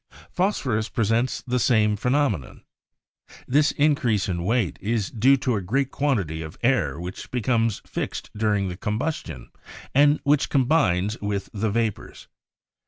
Phosphorus presents the same phenomenon. This increase of weight is due to a great quantity of air which becomes fixed during the combus tion, and which combines with the vapors.